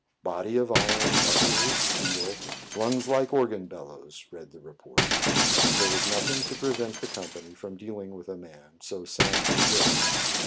" Body of iron, muscles of steel, lungs like organ bellows," read the report. There was nothing to prevent the company from dealing with a man so soundly built.